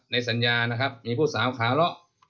ในสัญญานะครับมีผู้สาวขาเลาะ